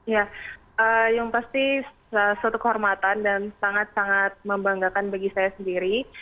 ya yang pasti suatu kehormatan dan sangat sangat membanggakan bagi saya sendiri